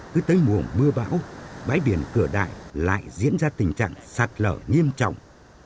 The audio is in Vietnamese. cứ tới mùa mưa bão bãi biển cửa đại lại diễn ra tình trạng sạt lở nghiêm trọng